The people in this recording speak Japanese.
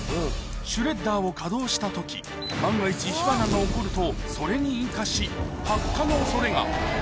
シュレッダーを稼働したとき、万が一、火花が起こると、それに引火し、発火のおそれが。